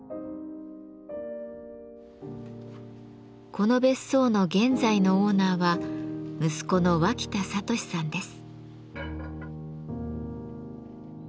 この別荘の現在のオーナーは息子の脇田智さんです。